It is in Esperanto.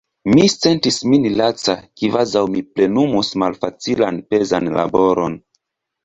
Mi sentis min laca, kvazaŭ mi plenumus malfacilan pezan laboron.